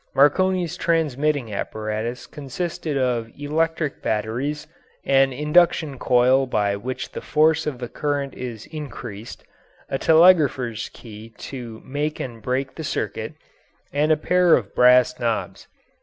Marconi's transmitting apparatus consisted of electric batteries, an induction coil by which the force of the current is increased, a telegrapher's key to make and break the circuit, and a pair of brass knobs.